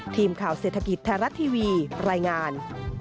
ทีมข่าวเศรษฐกิจไทยรัฐทีวีรายงาน